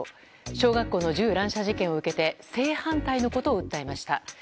小学校の銃乱射事件を受けて正反対のことを訴えました。